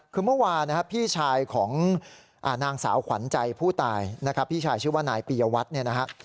คือเมื่อวานนะครับพี่ชายของนางสาวขวัญใจผู้ตายนะครับพี่ชายชื่อว่านายปียวัตรเนี่ยนะฮะ